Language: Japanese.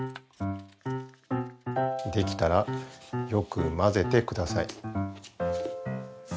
できたらよく交ぜてください。